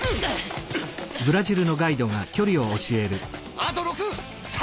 あと６３！